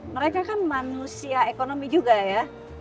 mereka kan manusia ekonomi juga ya